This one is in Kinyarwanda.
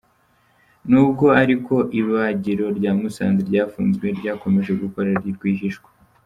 Nubwo ariko ibagiro rya Musanze ryafunzwe, ryakomeje gukora rwihishwa.